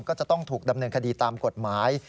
ก็จะต้องถูกดำเนินคดีตามกฎหมาย